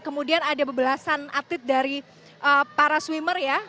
kemudian ada beberasan update dari para swimmer ya